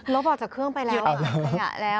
ลบออกจากเครื่องไปแล้ว